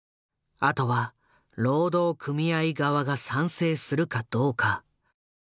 あとは労働組合側が賛成するかどうか。